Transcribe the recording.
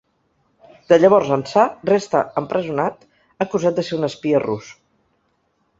De llavors ençà, resta empresonat, acusat de ser un espia rus.